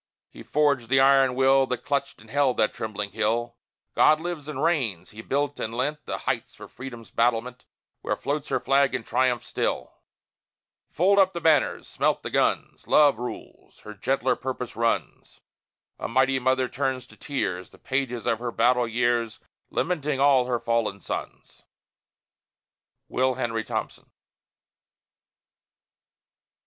He forged the iron will, That clutched and held that trembling hill! God lives and reigns! He built and lent The heights for Freedom's battlement, Where floats her flag in triumph still! Fold up the banners! Smelt the guns! Love rules. Her gentler purpose runs. A mighty mother turns in tears, The pages of her battle years, Lamenting all her fallen sons! WILL HENRY THOMPSON.